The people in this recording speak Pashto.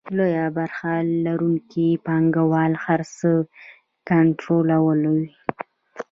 لویه برخه لرونکي پانګوال هر څه کنټرولوي